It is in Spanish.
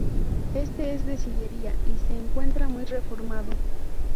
Este es de sillería y se encuentra muy reformado.